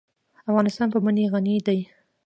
افغانستان په منی غني دی.